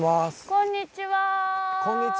こんにちは。